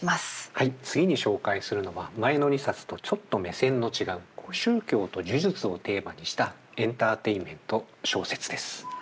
はい次に紹介するのは前の２冊とちょっと目線の違う宗教と呪術をテーマにしたエンターテインメント小説です。